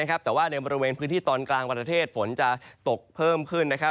แต่ว่าในบริเวณพื้นที่ตอนกลางประเทศฝนจะตกเพิ่มขึ้น